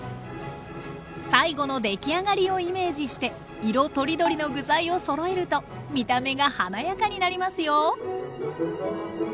最後の出来上がりをイメージして色とりどりの具材をそろえると見た目が華やかになりますよ